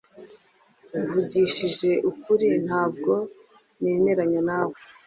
Mvugishije ukuri ntabwo nemeranya nawe